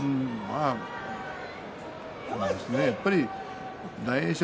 やっぱり大栄翔